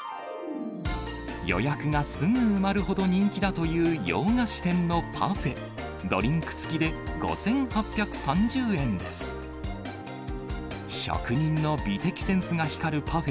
予約がすぐ埋まるほど人気だという洋菓子店のパフェ。